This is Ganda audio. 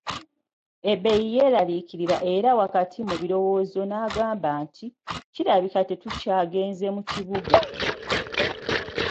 Ebei yeraliikirira era wakati mu birowoozo n'agamba nti, kirabika tetukyagenze mu kibuga .